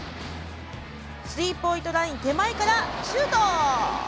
スリーポイントライン手前からシュート。